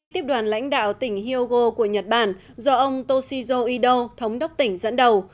tiếp đoàn lãnh đạo tỉnh hyogo của nhật bản do ông toshizo ido thống đốc tỉnh dẫn đầu